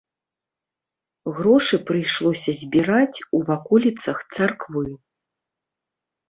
Грошы прыйшлося збіраць у ваколіцах царквы.